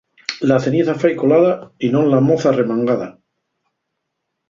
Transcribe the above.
La ceniza fai colada y non la moza arremangada.